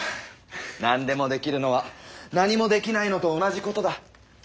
何でもできるのは何もできないのと同じことだ。